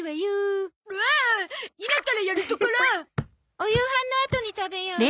お夕飯のあとに食べようね。